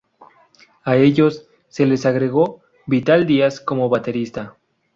A ellos, se les agregó Vital Dias como baterista.